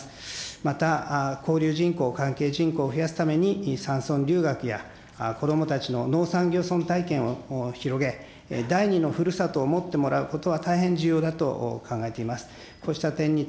また、交流人口、関係人口を増やすために、山村留学や、子どもたちの農山漁村体験を広げ、第２のふるさとを持ってもらうことは大変重要だと考えています。